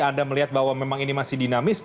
anda melihat bahwa memang ini masih dinamis